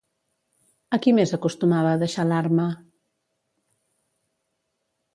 A qui més acostumava a deixar l'arma?